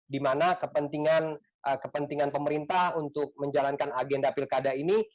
dimana kepentingan pemerintah untuk menjalankan agenda pilih kandas ini